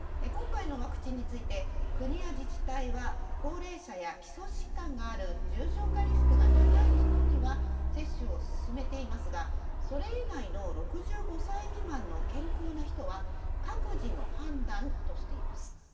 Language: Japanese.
今回のワクチンについて国や自治体は高齢者や基礎疾患のある重症化リスクの高い人には接種を勧めていますがそれ以外の６５歳未満の健康な人は各自の判断としています。